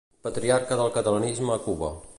Patriarca del catalanisme a Cuba.